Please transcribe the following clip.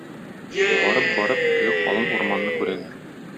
Барып-барып, теге калын урманны күрәләр.